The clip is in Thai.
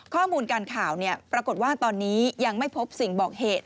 ข้อมูลการข่าวปรากฏว่าตอนนี้ยังไม่พบสิ่งบอกเหตุ